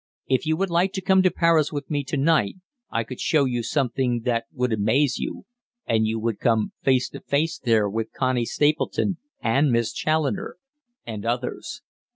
If you would like to come to Paris with me to night I could show you something that would amaze you and you would come face to face there with Connie Stapleton and Miss Challoner, and others.